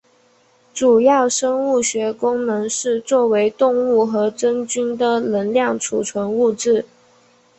主要生物学功能是作为动物和真菌的能量储存物质。